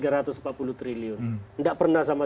rp tiga ratus empat puluh triliun tidak pernah sama